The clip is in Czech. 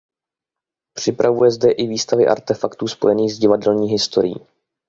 Připravuje zde i výstavy artefaktů spojených s divadelní historií.